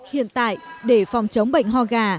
hiện tại để phòng chống bệnh hò gà